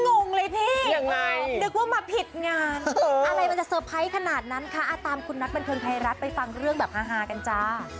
คุณไม่ได้คุณว่าเธอมาพิษงานมันจะสเฟรไพรท์ขนาดนั้นค่ะตามคุณนักใบนฟลินไพรัทไปฟังเรื่องแบบฮากันจ้ะ